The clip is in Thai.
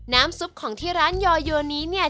น้ำซุปของที่ร้านยอยว์นี้